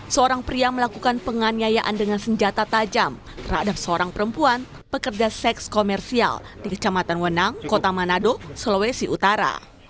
seorang pria melakukan penganiayaan dengan senjata tajam terhadap seorang perempuan pekerja seks komersial di kecamatan wenang kota manado sulawesi utara